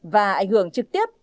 và ảnh hưởng trực tiếp